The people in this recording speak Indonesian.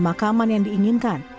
memilih pemakaman yang diinginkan